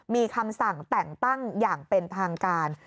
มีคำสั่งแต่งตั้งอย่างเป็นทางการ